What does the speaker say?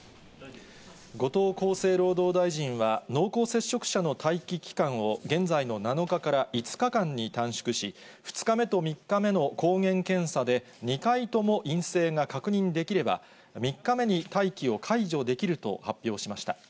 後藤厚生労働大臣は、濃厚接触者の待機期間を、現在の７日から５日間に短縮し、２日目と３日目の抗原検査で２回とも陰性が確認できれば、３日目に待機を解除できると発表しました。